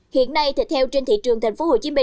hiện nay thịt heo trên thị trường tp hcm